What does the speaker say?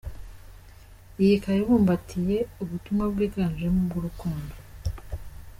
Iyi ikaba ibumbatiye ubutumwa bwiganjemo ubw’urukundo.